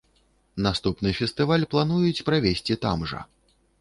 Наступны фестываль плануюць правесці там жа.